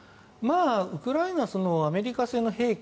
ウクライナはアメリカ製の兵器